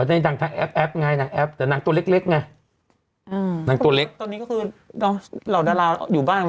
แอปไงแต่นางตัวเล็กนางตัวเล็กตอนนี้แล้วก็คือดราหละอยู่บ้าน